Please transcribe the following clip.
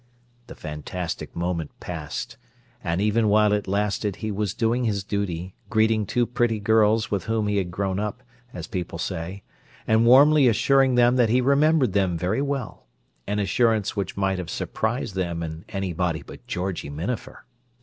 The fantastic moment passed; and even while it lasted, he was doing his duty, greeting two pretty girls with whom he had grown up, as people say, and warmly assuring them that he remembered them very well—an assurance which might have surprised them "in anybody but Georgie Minafer!"